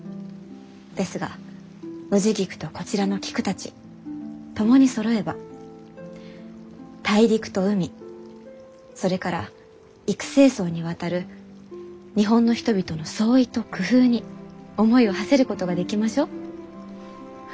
ですがノジギクとこちらの菊たち共にそろえば大陸と海それから幾星霜にわたる日本の人々の創意と工夫に思いをはせることができましょう。